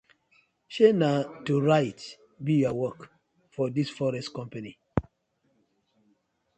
Shey na to write bi yur work for dis forest company.